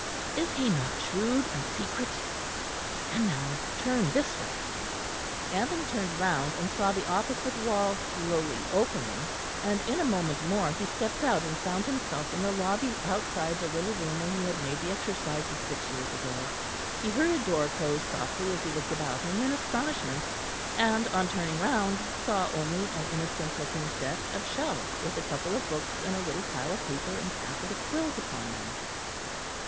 "Is he not shrewd and secret? And now turn this way." Anthony turned round and saw the opposite wall slowly opening; and in a moment more he stepped out and found himself in the lobby outside the little room where he had made the exercises six years ago. He heard a door close softly as he looked about him in astonishment, and on turning round saw only an innocent looking set of shelves with a couple of books and a little pile of paper and packet of quills upon them.